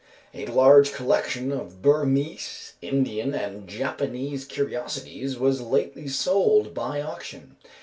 A large collection of Burmese, Indian, and Japanese curiosities was lately sold by auction.